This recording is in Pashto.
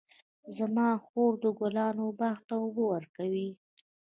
زما خور د ګلانو باغ ته اوبه ورکوي.